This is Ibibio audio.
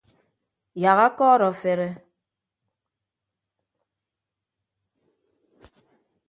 Yak akọọrọ afere.